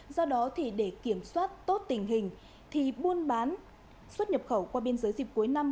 do đó thì để kiểm soát tốt tình hình thì buôn bán xuất nhập khẩu qua biên giới dịp cuối năm